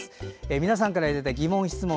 皆さんからの疑問、質問